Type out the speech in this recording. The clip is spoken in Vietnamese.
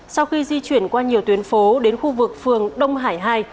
sau khi di chuyển qua nhiều tuyến phố đến khu vực phường đông hải hai